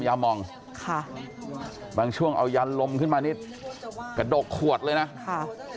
ยามองค่ะบางช่วงเอายันลมขึ้นมานี่กระดกขวดเลยนะค่ะ